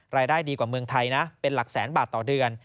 รายได้ดีกว่าเมืองไทยนะเป็นหลักแสนบาทต่อเดือน